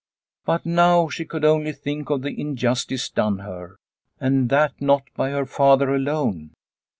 But now she could only think of the injustice done her, and that not by her father alone.